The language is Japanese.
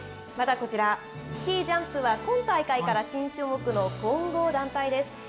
またこちら、スキージャンプは、今大会から新種目の混合団体です。